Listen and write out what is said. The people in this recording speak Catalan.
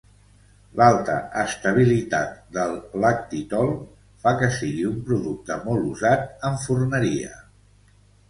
L'alta estabilitat del lactitol fa que sigui un producte molt usat en forneria.